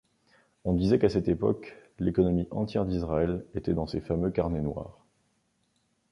On disait qu'à cette époque, l'économie entière d'Israël était dans ces fameux carnets noirs.